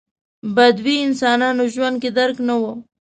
بدوي انسانانو ژوند کې درک نه و.